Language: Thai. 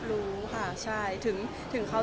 สวัสดีคุณครับ